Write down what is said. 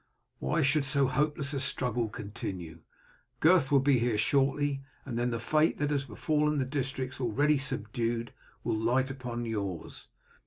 Why should so hopeless a struggle continue? Gurth will be here shortly, and then the fate that has befallen the districts already subdued will light upon yours.